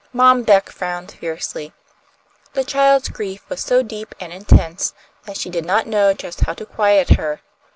Mom Beck frowned fiercely. The child's grief was so deep and intense that she did not know just how to quiet her.